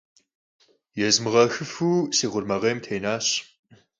Yêzmığenlırexıfu si khurmakhêym tênaş.